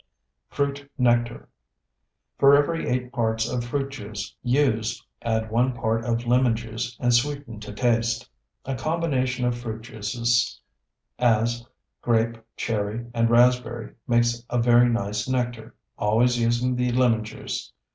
FRUIT NECTAR For every eight parts of fruit juice used add one part of lemon juice and sweeten to taste. A combination of fruit juices, as grape, cherry, and raspberry, makes a very nice nectar, always using the lemon juice.